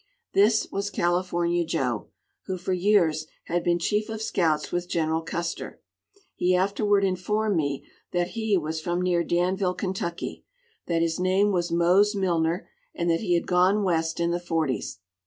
This was California Joe, who for years had been chief of scouts with General Custer. He afterward informed me that he was from near Danville, Kentucky, that his name was Mose Milner, and that he had gone West in the forties.